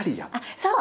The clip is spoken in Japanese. そう！